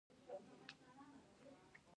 د پکتیکا په نکې کې د سمنټو مواد شته.